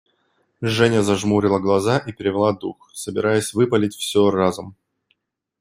Женя зажмурила глаза и перевела дух, собираясь выпалить все разом.